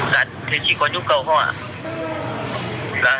dạ thế chị có nhu cầu không ạ